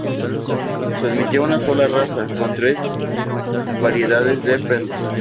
Se admitió una sola raza, con tres variedades de pelo.